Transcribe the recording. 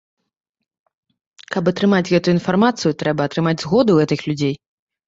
Каб атрымаць гэтую інфармацыю, трэба атрымаць згоду гэтых людзей.